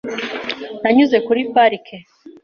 Nanyuze kuri parike .